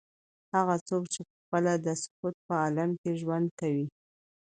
هغه څوک چې پخپله د سکوت په عالم کې ژوند کوي.